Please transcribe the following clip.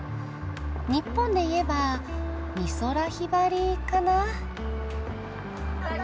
日本で言えば美空ひばりかな。